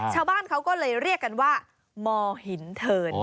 ชาวบ้านเขาก็เลยเรียกกันว่ามหินเทิน